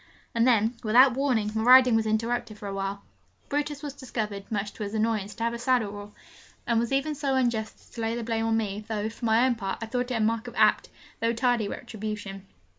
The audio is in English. And then, without warning, my riding was interrupted for a while. Brutus was discovered, much to his annoyance, to have a saddle raw, and was even so unjust as to lay the blame on me, though, for my own part, I thought it a mark of apt, though tardy, retribution.